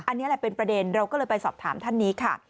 อันนี้แหละเป็นประเด็นเราก็เลยไปสอบถามท่านนี้ค่ะ